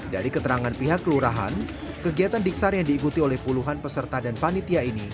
dari keterangan pihak kelurahan kegiatan diksar yang diikuti oleh puluhan peserta dan panitia ini